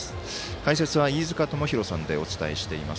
解説は飯塚智広さんでお伝えしています。